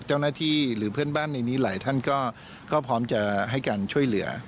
หรือเพื่อนบ้านในนี้หลายท่านก็พร้อมจะให้การช่วยเหลือ